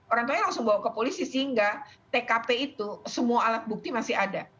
orang tuanya langsung bawa ke polisi sehingga tkp itu semua alat bukti masih ada